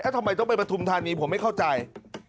ทำไมต้องไปปฐุมธานีผมไม่เข้าใจ